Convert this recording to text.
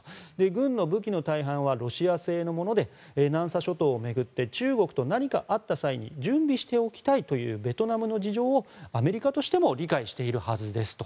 軍の武器の大半はロシア製のもので南沙諸島を巡って中国と何かあった際に準備しておきたいというベトナムの事情をアメリカとしても理解しているはずですと。